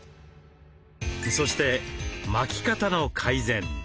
そして巻き肩の改善。